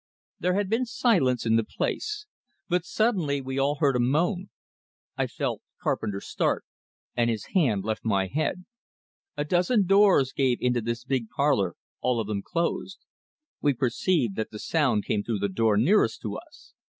There had been silence in the place. But suddenly we all heard a moan; I felt Carpenter start, and his hand left my head. A dozen doors gave into this big parlor all of them closed. We perceived that the sound came through the door nearest to us.